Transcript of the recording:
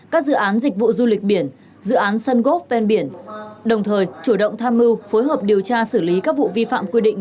các dự án dịch vụ du lịch biển dự án sân gốc ven biển đồng thời chủ động tham mưu phối hợp điều tra xử lý các vụ vi phạm quy định